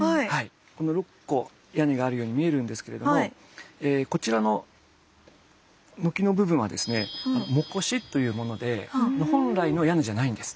この６個屋根があるように見えるんですけれどもこちらの軒の部分はですね裳階というもので本来の屋根じゃないんです。